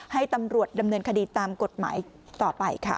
ให้ตำรวจดำเนินคดีตามกฎหมายต่อไปค่ะ